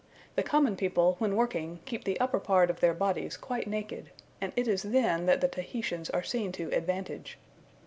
The common people, when working, keep the upper part of their bodies quite naked; and it is then that the Tahitians are seen to advantage.